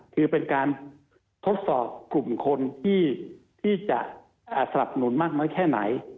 คือเป็นการทดสอบกลุ่มคนที่จะสนับสนุนมากน้อยแค่ไหน